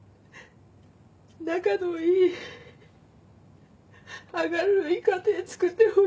仲のいい明るい家庭つくってほしいの。